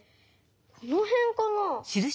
このへんかな？